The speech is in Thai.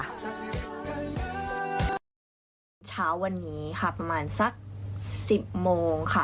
เช้าวันนี้ค่ะประมาณสัก๑๐โมงค่ะ